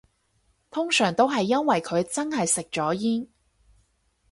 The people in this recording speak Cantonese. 通常都係因為佢真係食咗煙